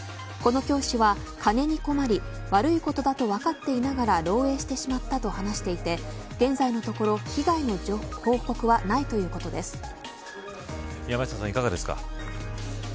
この教師は、金に困り悪いことだと分かっていながら漏えいしてしまったと話していて現在のところ被害の報告はない山下さん、いかがですか。